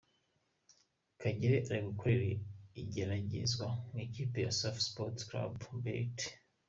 Kagere ari gukorera igeragezwa mu ikipe ya Safa Sport Club Beirut.